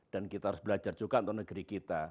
dan kita harus belajar juga untuk negeri kita